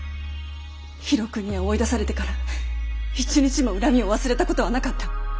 廣國屋を追い出されてから一日も恨みを忘れたことはなかった。